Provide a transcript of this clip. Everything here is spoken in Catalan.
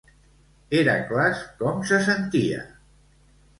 Hèracles com se sentia?